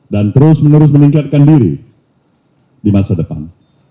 dan terus menerus meningkatkan diri di masa depan